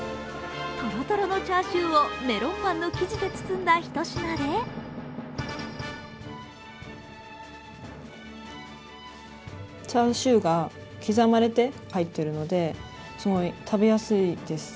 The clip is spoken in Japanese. トロトロのチャーシューをメロンパンの生地で包んだひと品でチャーシューが刻まれて入っているので、すごい食べやすいです。